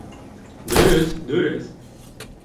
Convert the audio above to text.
Дөрөҫ, дөрөҫ.